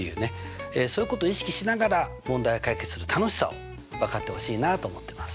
そういうことを意識しながら問題を解決する楽しさを分かってほしいなと思ってます。